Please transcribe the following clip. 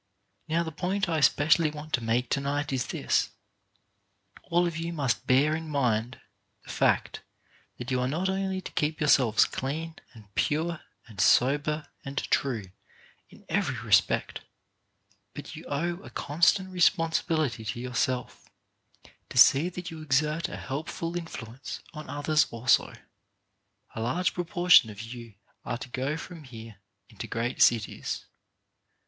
Now the point I especially want to make to ON INFLUENCING BY EXAMPLE 29 night is this: all of you must bear in mind the fact that you are not only to keep yourselves clean, and pure, and sober, and true, in every respect, but you owe a constant responsibility to yourself to see that you exert a helpful influence on others also. A large proportion of you are to go from here into great cities.